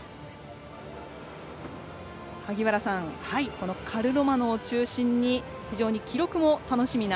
萩原さん、カルロマノを中心に非常に記録も楽しみな